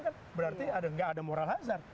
karena kita bumn kan berarti nggak ada moral hazard